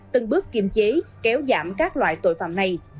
từng bước kiềm chế kéo giảm các loại tội phạm này